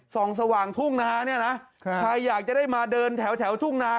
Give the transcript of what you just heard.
ส่องสว่างทุ่งนาเนี่ยนะใครอยากจะได้มาเดินแถวทุ่งนา